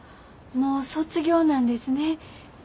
もう卒業なんですね。